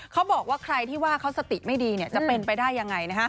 เขาบอกว่าใครที่ว่าเขาสติไม่ดีจะเป็นไปได้ยังไง